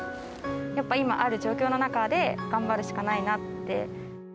やっぱ、今ある状況の中で頑張るしかないなって。